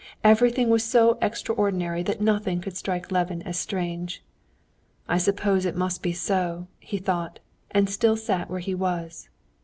Everything was so extraordinary that nothing could strike Levin as strange. "I suppose it must be so," he thought, and still sat where he was.